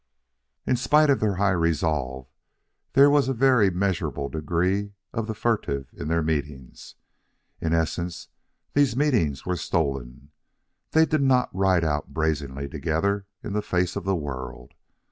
In spite of their high resolve, there was a very measurable degree of the furtive in their meetings. In essence, these meetings were stolen. They did not ride out brazenly together in the face of the world.